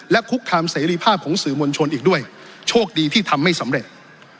และคุกคามเสรีภาพของสื่อมวลชนอีกด้วยโชคดีที่ทำไม่สำเร็จ